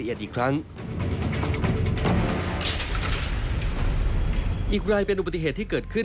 อีกรายเป็นอุบัติเหตุที่เกิดขึ้น